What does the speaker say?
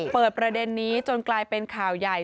ประเด็นนี้จนกลายเป็นข่าวใหญ่